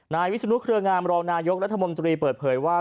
วิศนุเครืองามรองนายกรัฐมนตรีเปิดเผยว่า